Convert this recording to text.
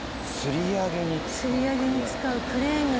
吊り上げに使うクレーンが来た。